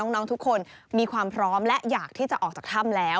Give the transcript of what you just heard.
น้องทุกคนมีความพร้อมและอยากที่จะออกจากถ้ำแล้ว